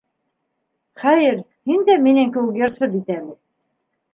— Хәйер, һин дә минең кеүек йырсы бит әле.